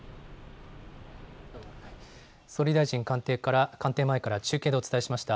総理大臣官邸前から中継でお伝えしました。